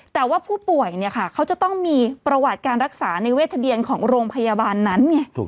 แต่ว่าผู้ป่วยเขาจะต้องมีประวัติการรักษาในเวททะเบียนของโรงพยาบาลนั้นไง